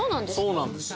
そうなんです。